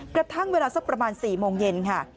กระทั่งเวลาสักประมาณ๔โมงเย็นค่ะ